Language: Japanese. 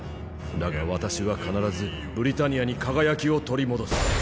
だが私は必ずブリタニアに輝きを取り戻す。